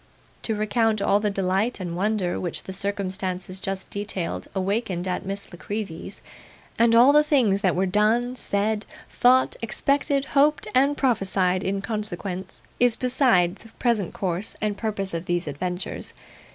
To recount all the delight and wonder which the circumstances just detailed awakened at Miss La Creevy's, and all the things that were done, said, thought, expected, hoped, and prophesied in consequence, is beside the present course and purpose of these adventures.